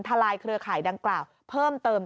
ลายเครือข่ายดังกล่าวเพิ่มเติม